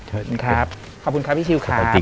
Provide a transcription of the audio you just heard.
สวัสดีครับ